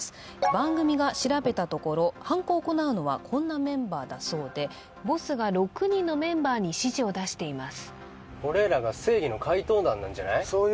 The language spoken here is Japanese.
番組が調べたところ犯行を行うのはこんなメンバーだそうでボスが６人のメンバーに指示を出しています